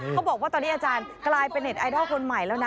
เขาบอกว่าตอนนี้อาจารย์กลายเป็นเน็ตไอดอลคนใหม่แล้วนะ